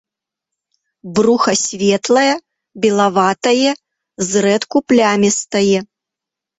Бруха светлае, белаватае, зрэдку плямістае.